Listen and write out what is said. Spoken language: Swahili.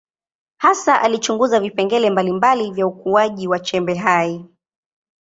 Hasa alichunguza vipengele mbalimbali vya ukuaji wa chembe hai.